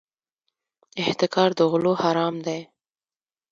احتکار د غلو حرام دی.